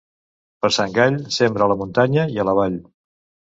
Per Sant Gall, sembra a la muntanya i a la vall.